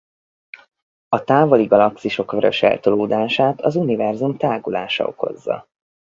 A távoli galaxisok vöröseltolódását az Univerzum tágulása okozza.